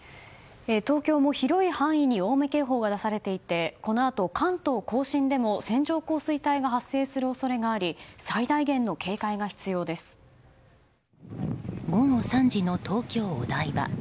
東京も広い範囲に大雨警報が出されていてこのあと関東・甲信でも線状降水帯が発生する恐れがあり午後３時の東京・お台場。